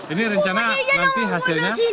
ini rencana nanti hasilnya